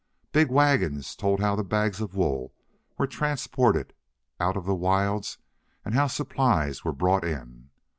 Big wagons told how the bags of wool were transported out of the wilds and how supplies were brought in.